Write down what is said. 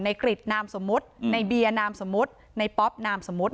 ในกฤทนามสมุดในเบียนนามสมุดในป๊อปนามสมุด